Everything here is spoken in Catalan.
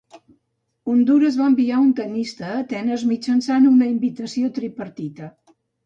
Hondures va enviar un tennista a Atenes mitjançant una invitació tripartita.